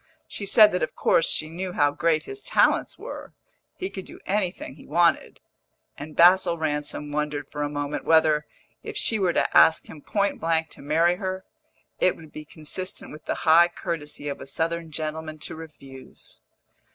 She said that of course she knew how great his talents were he could do anything he wanted; and Basil Ransom wondered for a moment whether, if she were to ask him point blank to marry her, it would be consistent with the high courtesy of a Southern gentleman to refuse.